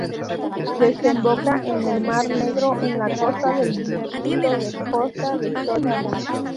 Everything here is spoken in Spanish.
Desemboca en el mar Negro en la costa del distrito de Josta de Sochi.